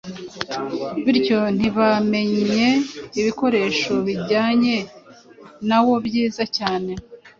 bityo ntibamenye ibikoresho bijyanye nawo byiza cyane